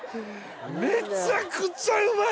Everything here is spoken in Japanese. めちゃくちゃうまい！